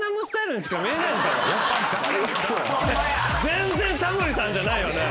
全然タモリさんじゃないよね。